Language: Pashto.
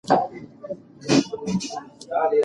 حیواني خواړه په اعتدال وخورئ.